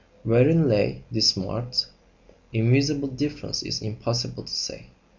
Wherein lay this marked, invisible difference is impossible to say.